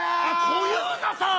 小遊三さん。